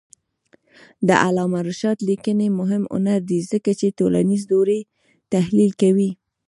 د علامه رشاد لیکنی هنر مهم دی ځکه چې ټولنیز دورې تحلیل کوي.